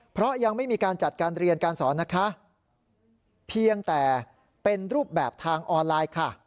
เพราะยังไม่มีการจัดการเรียนการสอนนะคะเพียงแต่เป็นรูปแบบทางออนไลน์ค่ะ